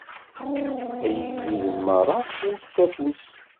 Ay igduden merra, wtet afus!